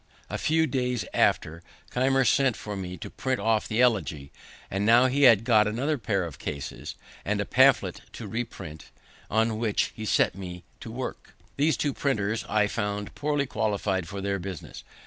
A few days after, Keimer sent for me to print off the Elegy. And now he had got another pair of cases, and a pamphlet to reprint, on which he set me to work. These two printers I found poorly qualified for their business.